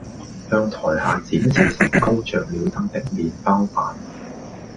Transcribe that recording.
向台下展示成功着了燈的麵包板